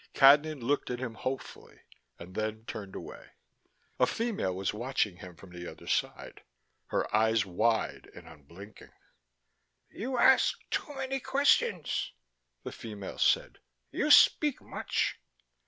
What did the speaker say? Cadnan looked at him hopefully, and then turned away. A female was watching him from the other side, her eyes wide and unblinking. "You ask many questions," the female said. "You speak much."